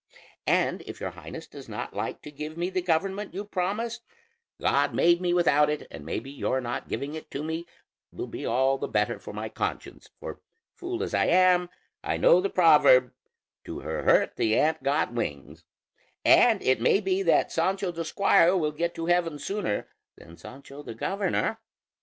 And if your Highness does not like to give me the government you promised, God made me without it and maybe your not giving it to me will be all the better for my conscience; for fool as I am, I know the proverb 'To her hurt the ant got wings,' and it may be that Sancho the squire will get to heaven sooner than Sancho the governor.